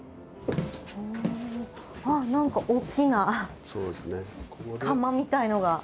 あ何か大きな窯みたいのが。